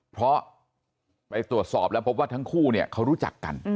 เพราะไปตรวจสอบแล้วพบว่าทั้งคู่เนี่ยเขารู้จักกัน